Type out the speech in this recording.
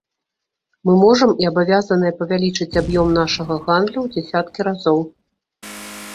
Мы можам і абавязаныя павялічыць аб'ём нашага гандлю ў дзясяткі разоў.